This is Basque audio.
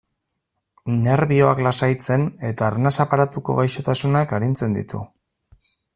Nerbioak lasaitzen eta arnas aparatuko gaixotasunak arintzen ditu.